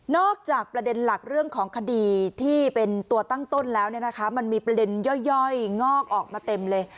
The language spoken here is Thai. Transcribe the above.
จากประเด็นหลักเรื่องของคดีที่เป็นตัวตั้งต้นแล้วมันมีประเด็นย่อยงอกออกมาเต็มเลย